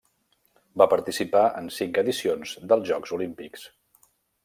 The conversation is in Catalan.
Va participar en cinc edicions dels Jocs Olímpics.